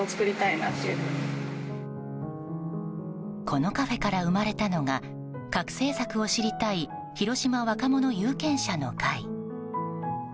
このカフェから生まれたのが核政策を知りたい広島若者有権者の会